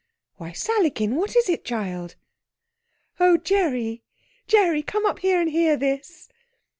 Why, Sallykin! what is it, child?... Oh, Gerry Gerry come up here and hear this!"